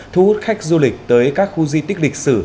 thu hút khách du lịch tới các khu di tích lịch sử